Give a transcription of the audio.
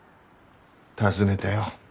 尋ねたよ。